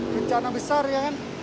bencana besar ya kan